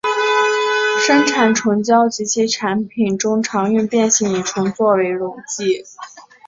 生产虫胶及其产品中常用变性乙醇作为溶剂。